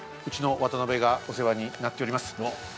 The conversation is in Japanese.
うちの渡邊がお世話になっています。